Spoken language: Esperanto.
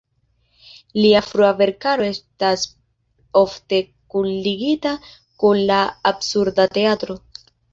Lia frua verkaro estas ofte kunligita kun la "Absurda Teatro".